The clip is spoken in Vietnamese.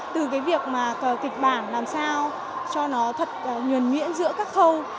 từ cái việc mà kịch bản làm sao cho nó thật nhuồn miễn giữa các khâu